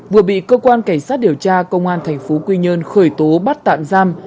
vừa bị cơ quan cảnh sát điều tra công an thành phố quy nhơn khởi tố bắt tạm giam